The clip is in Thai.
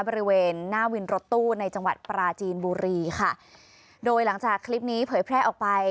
บริเวณหน้าวินรถตู้ในจังหวัดปราจีนบุรีค่ะโดยหลังจากคลิปนี้เผยแพร่ออกไป